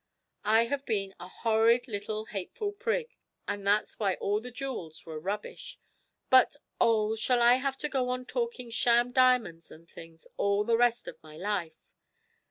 I have been a horrid little hateful prig, and that's why all the jewels were rubbish. But, oh, shall I have to go on talking sham diamonds and things all the rest of my life?'